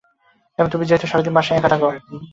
এবং তুমি যেহেতু সারাদিন বাসায় একা থাকো।